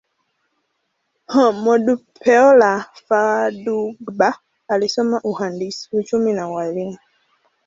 Modupeola Fadugba alisoma uhandisi, uchumi, na ualimu.